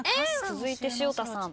続いて潮田さん。